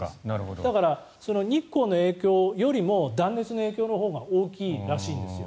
だから、日光の影響よりも断熱の影響のほうが大きいらしいんですよ。